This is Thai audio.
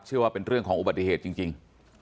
ว่าเป็นเรื่องของอุบัติเหตุจริง